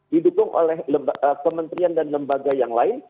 didukung oleh kementerian dan lembaga yang lain